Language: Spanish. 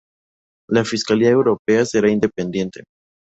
La Fiscalía Europea será independiente.